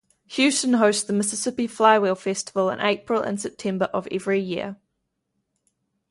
Houston hosts the Mississippi Flywheel Festival in April and September of every year.